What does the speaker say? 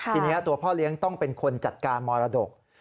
ทีนี้ตัวพ่อเลี้ยงต้องเป็นคนจัดการมรดก